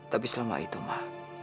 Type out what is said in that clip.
tapi selama itu ma